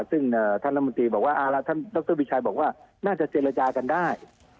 ซึ่งท่านรัฐมนตรีบอกว่าท่านดรวิชัยบอกว่าน่าจะเจรจากันได้